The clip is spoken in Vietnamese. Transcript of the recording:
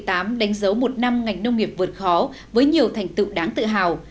năm hai nghìn một mươi chín đánh dấu một năm ngành nông nghiệp vượt khó với nhiều thành tựu đáng tự hào